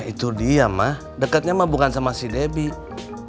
itu dia mak deketnya mak bukan sama si debbie